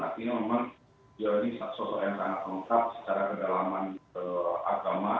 tapi ini memang dia ini sosok yang sangat lengkap secara kedalaman ke agama